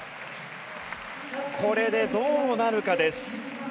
これでどうなるかです。